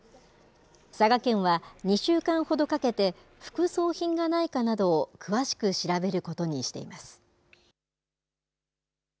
佐賀県は２週間ほどかけて、副葬品がないかなどを詳しく調べることにしています。